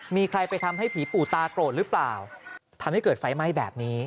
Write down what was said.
มีใครไปทำให้ผีปู่ตาโกรธหรือเปล่าทำให้เกิดไฟไหม้แบบนี้